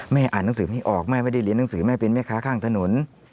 อ่านหนังสือไม่ออกแม่ไม่ได้เรียนหนังสือแม่เป็นแม่ค้าข้างถนน